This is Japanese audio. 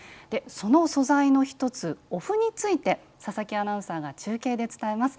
その素材の１つ、お麩について佐々木アナウンサーが中継で伝えます。